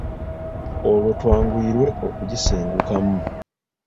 Olwo twanguyirwe okugisengukamu.